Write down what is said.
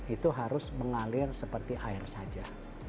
itu harus mengalir seperti air saja